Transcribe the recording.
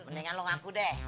mendingan lo ngaku deh